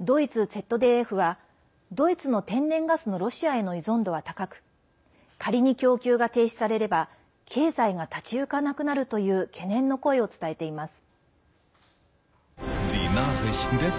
ドイツＺＤＦはドイツの天然ガスのロシアへの依存度は高く仮に供給が停止されれば経済が立ち行かなくなるという懸念の声を伝えています。